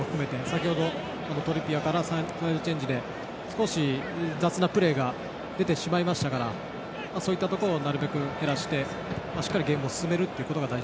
先程、トリッピアーからサイドチェンジで少し雑なプレーが出てしまいましたからそういったところを減らしてゲームを進めたい。